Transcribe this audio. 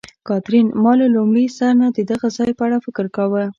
کاترین: ما له لومړي سر نه د دغه ځای په اړه فکر کاوه.